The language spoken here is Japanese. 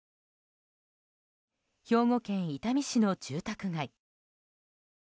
兵庫県伊丹市の住宅街。